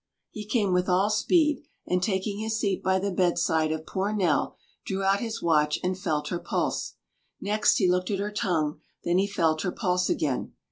He came with all speed, and taking his seat by the bedside of poor Nell, drew out his watch and felt her pulse. Next he looked at her tongue, then he felt her pulse again.